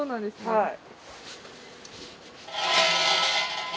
はい。